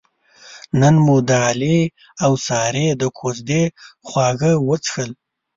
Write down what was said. نن مو د علي اوسارې د کوزدې خواږه وڅښل.